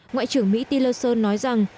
ngoại trưởng mỹ tillerson nói rằng